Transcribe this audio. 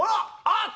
あっ